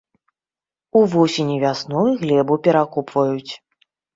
Увосень і вясной глебу перакопваюць.